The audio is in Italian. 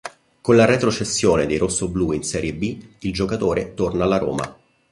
Con la retrocessione dei rossoblù in serie B, il giocatore torna alla Roma.